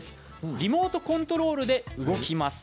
リモートコントロールで動きます。